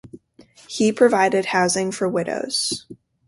He provided housing for widows.